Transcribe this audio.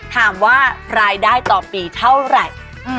ถามว่ารายได้ต่อปีเท่าไหร่